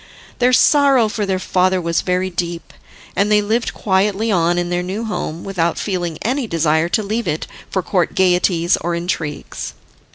Their sorrow for their father was very deep, and they lived quietly on in their new home, without feeling any desire to leave it for court gaieties or intrigues.